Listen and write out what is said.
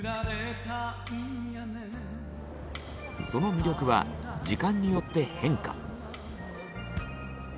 その魅力は時間によって変化。